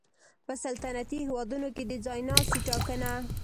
په سلطنتي هېوادونو کې د ځای ناستي ټاکنه